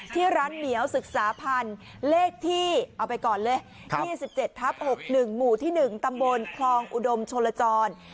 ที่ร้านเมียวศึกษาพันธุ์เลขที่๒๗๖๑หมู่ที่๑ตำบลคลองอุดมโชลจร